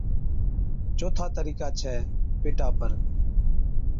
چوٿا طريقا ڇَي پيٽا پر